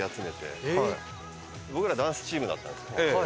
僕らダンスチームだったんです。